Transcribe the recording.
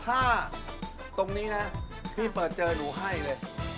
ถ้าตรงนี้นะพี่เปิดเจอหนูให้เลย